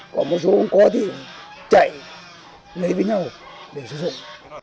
còn một số cũng có thì chạy lấy với nhau để sử dụng